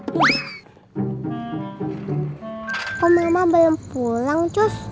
kok mama bayar pulang cus